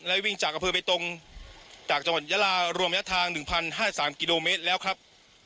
และวิ่งจากกระเพือไปตรงจังหวัดยะลารวมมันทักทาง๑๐๕๓กิโลเมตรแล้วครับ